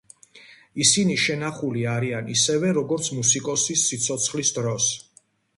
ისინი შენახული არიან ისევე, როგორც მუსიკოსის სიცოცხლის დროს.